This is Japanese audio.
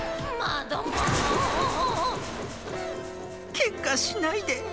けんかしないで。